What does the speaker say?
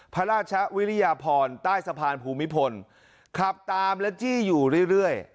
พระราชวิริยพรใต้สะพานภูมิพลขับตามและจี้อยู่เรื่อย